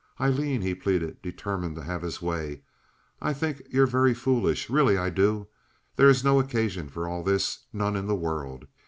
"Aileen," he pleaded, determined to have his way, "I think you're very foolish. Really I do. There is no occasion for all this—none in the world.